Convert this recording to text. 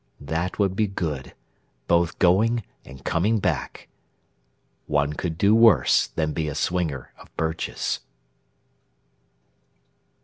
That would be good both going and coming back. One could do worse than be a swinger of birches.